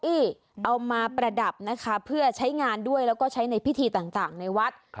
เอามาประดับนะคะเพื่อใช้งานด้วยแล้วก็ใช้ในพิธีต่างในวัด